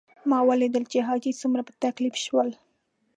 ما ولیدل چې حاجي څومره په تکلیف شول.